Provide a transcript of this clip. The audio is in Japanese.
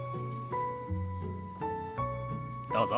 どうぞ。